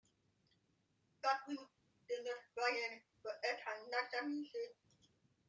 Chacune des neuf voyelles peut être nasalisée.